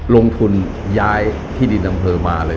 ลงทุนย้ายที่ดินอำเภอมาเลย